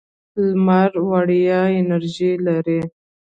لمر وړیا انرژي ده.